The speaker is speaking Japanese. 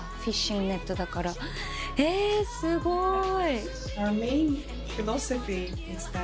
えすごい！